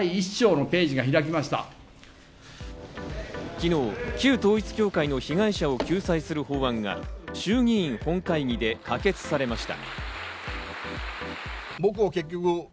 昨日、旧統一教会の被害者を救済する法案が衆議院本会議で可決されました。